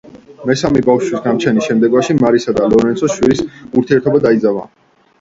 მესამე ბავშვის გაჩენის შემდეგ, მარიასა და ლორენცოს შორის ურთიერთობა დაიძაბა.